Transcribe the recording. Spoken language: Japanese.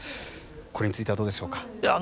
これについては、どうでしょうか。